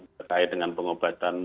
berkait dengan pengobatan